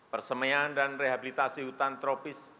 persemian dan rehabilitasi hutan tropis